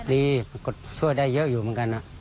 ดีก็ช่วยได้เยอะอยู่เหมือนกัน